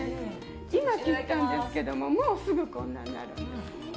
今切ったんですけれどももうすぐこんなになるんです。